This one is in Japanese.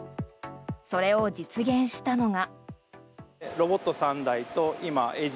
それを実現したのが。